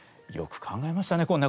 よく考えましたね